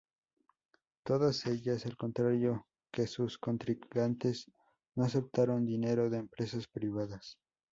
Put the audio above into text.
Todas ellas, al contrario que sus contrincantes, no aceptaron dinero de empresas privadas.